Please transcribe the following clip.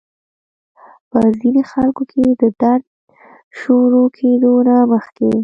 پۀ ځينې خلکو کې د درد شورو کېدو نه مخکې